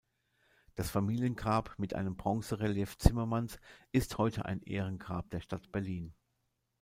Das Familiengrab mit einem Bronze-Relief Zimmermanns ist heute ein Ehrengrab der Stadt Berlin.